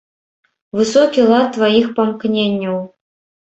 Высокі лад тваіх памкненняў!